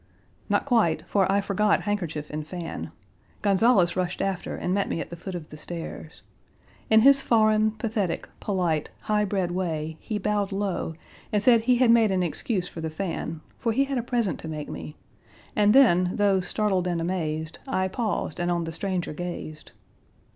Not quite, for I forgot handkerchief and fan. Gonzales rushed after and met me at the foot of the stairs. In his foreign, pathetic, polite, high bred way, he bowed low and said he had made an excuse for the fan, for he had a present to make me, and then, though "startled and amazed, I paused and on the stranger gazed."